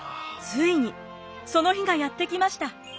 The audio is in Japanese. ついにその日がやって来ました。